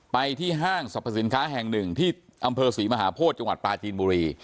ไปที่ห้างสรรพสินค้าแห่งหนึ่งที่อำเภอศรีมหาโพธิจังหวัดปลาจีนบุรี